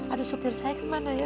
aduh supir saya kemana ya